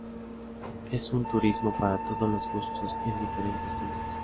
Es un turismo para todos los gustos y en diferentes zonas.